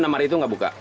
enam hari itu gak buka